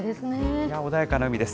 穏やかな海です。